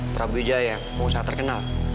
prabu wijaya kok gak terkenal